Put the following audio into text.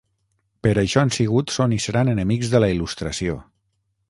Per això han sigut, són i seran enemics de la Il·lustració.